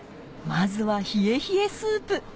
まずは冷え冷えスープ！